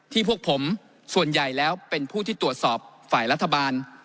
พวกผมส่วนใหญ่แล้วเป็นผู้ที่ตรวจสอบฝ่ายรัฐบาล